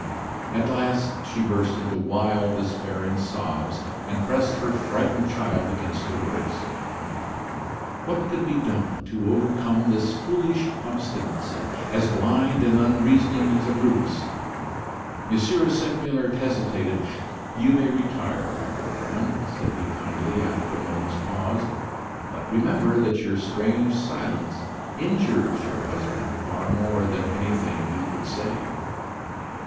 At last, she burst into wild, despairing sobs, and pressed her frightened child against her breast. What could be done to overcome this foolish obstinacy, as blind and unreasoning as a brute's? M. Segmuller hesitated. "You may retire, my good woman," said he kindly, after a moment's pause, "but remember that your strange silence injures your husband far more than anything you could say."